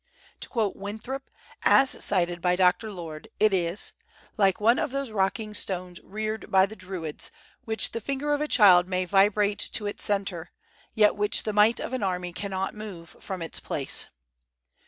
To quote Winthrop, as cited by Dr. Lord, it is "like one of those rocking stones reared by the Druids, which the finger of a child may vibrate to its centre, yet which the might of an army cannot move from its place."